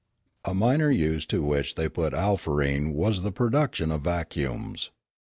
33° Limanora A minor use to which they put alfarene was the pro duction of vacuums.